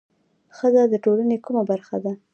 ښځه د ټولنې کومه برخه ده؟